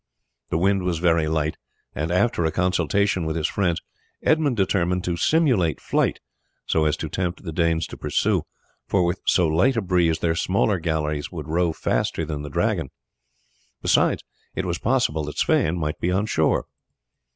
The wind was very light, and after a consultation with his friends Edmund determined to simulate flight so as to tempt the Danes to pursue, for with so light a breeze their smaller galleys would row faster than the Dragon; besides, it was possible that Sweyn might be on shore.